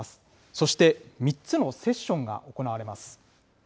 そして、３つのセッションが行われます。